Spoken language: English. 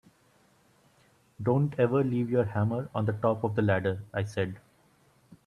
Don’t ever leave your hammer on the top of the ladder, I said.